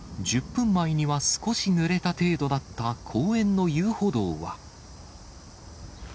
１０分前には少しぬれた程度だった公園の遊歩道は。